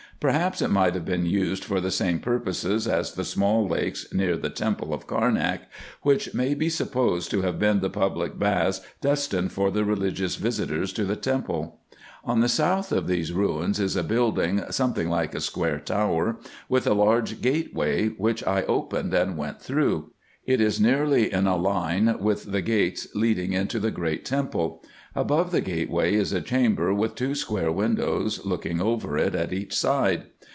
Perhaps it might have been used for the same purposes as the small lakes near the temple of Carnak, which may be supposed to have been the public baths destined for the religious visitors to the temple. On the south of these ruins is a building something like a square tower, with a large gateway, which I opened and went through. It is nearly in a line with the gates leading into the great temple. Above the gateway is a chamber with two square windows, looking over it at each side.